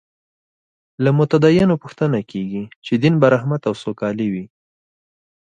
له متدینو پوښتنه کېږي چې دین به رحمت او سوکالي وي.